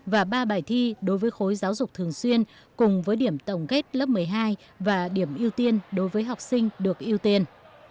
và ba bài thi đối với khối giáo dục thường xuyên cùng với điểm tổng kết lớp một mươi hai và điểm ưu tiên đối với học sinh được ưu tiên